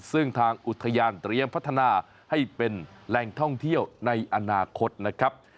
ซึ่งทางอุทยานเตรียมพัฒนาให้เป็นแหล่งท่องเที่ยวในอนาคตนะครับ